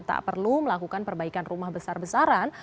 tak perlu melakukan perbaikan rumah besar besaran